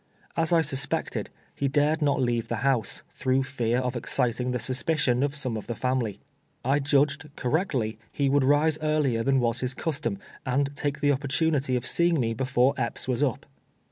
As I suspected, lie dared not leave the house, through fear of exciting the suspicion of some of the family. I judged, correct ly, he would rise earlier than was his custom, and take the opportunity of seeing me before Epps was up.